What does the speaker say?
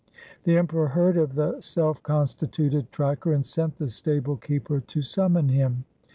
The Emperor heard of the self constituted tracker and sent the stable keeper to summon him.